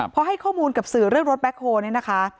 พอให้ข้อมูลกับสื่อเรื่องรถแบ็คโฮลเนี่ยนะคะ